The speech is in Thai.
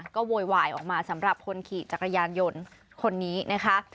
ก็โวยวายออกมาสำหรับคนขี่จักรยานยนต์คนนี้นะคะ